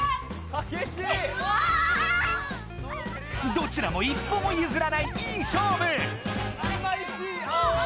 どちらも一歩もゆずらないいい勝負！